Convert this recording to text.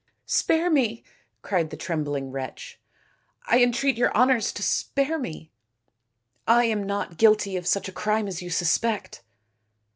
"Spare me," cried the trembling wretch; "I entreat your honours to spare me. I am not guilty of such a crime as you suspect."